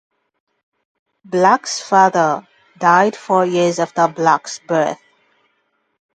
Black's father died four years after Black's birth.